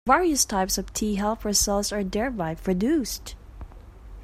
Various types of T helper cells are thereby produced.